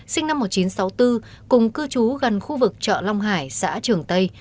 sinh năm một nghìn chín trăm sáu mươi bốn cùng cư trú gần khu vực chợ long hải xã trường tây